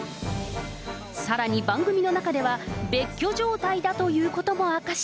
さらに番組の中では、別居状態だということも明かし。